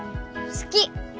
好き！